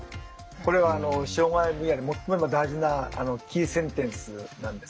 これは障害分野で最も今大事なキーセンテンスなんですね。